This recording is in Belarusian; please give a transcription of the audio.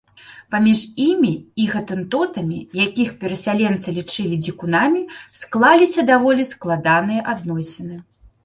Паміж імі і гатэнтотамі, якіх перасяленцы лічылі дзікунамі, склаліся даволі складаныя адносіны.